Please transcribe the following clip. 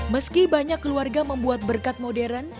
meski banyak keluarga membuat berkat modern